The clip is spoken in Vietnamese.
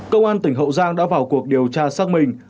công an tỉnh hậu giang đã vào cuộc điều tra xác minh